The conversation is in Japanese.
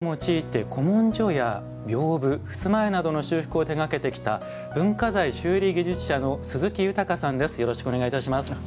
和紙を用いて古文書、びょうぶふすま絵などの修復をしてきた文化財修理技術者の鈴木裕さんです。